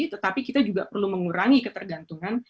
tetapi kita juga perlu mengurangi ketergantungan